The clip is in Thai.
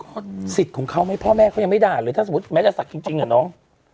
เขาสิทธิ์ของเขาไหมพ่อแม่เขายังไม่ด่าเลยถ้าสมมุติแม้จะศักดิ์จริงอ่ะน้อง